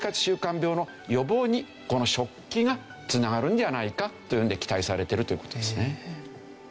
この食器が繋がるんじゃないかというので期待されてるという事ですね。